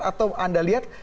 atau anda lihat